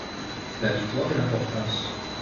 La victoire est d’importance.